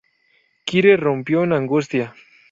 Quire rompió en angustia.